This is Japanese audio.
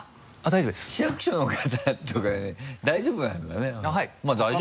市役所の方とか大丈夫なんだね。